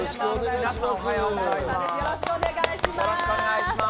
よろしくお願いします。